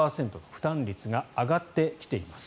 負担率が上がってきています。